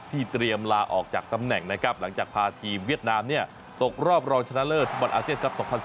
เตรียมลาออกจากตำแหน่งนะครับหลังจากพาทีมเวียดนามตกรอบรองชนะเลิศฟุตบอลอาเซียนครับ๒๐๑๙